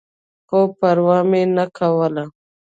خو پروا مې نه کوله.